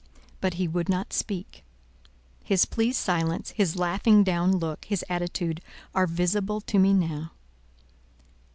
But he would not speak. His pleased silence, his laughing down look, his attitude, are visible to me now.